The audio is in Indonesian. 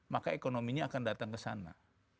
maka ekonominya akan datang kesana